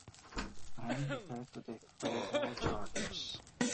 I am prepared to defray all charges.